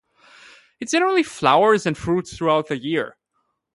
It generally flowers and fruits throughout the year.